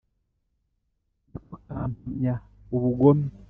ni ko kampamya ubugome